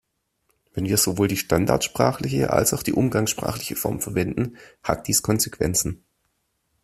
Wenn wir sowohl die standardsprachliche als auch die umgangssprachliche Form verwenden, hat dies Konsequenzen.